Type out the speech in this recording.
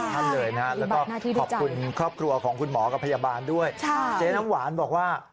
ท่านเลยนะฮะแล้วก็ขอบคุณครอบครัวของคุณหมอกับพยาบาลด้วยเจ๊น้ำหวานบอกว่า